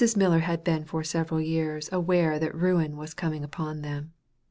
Miller had been for several years aware that ruin was coming upon them.